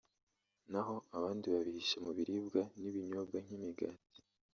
naho abandi babihisha mu biribwa n’ibinyobwa nk’imigati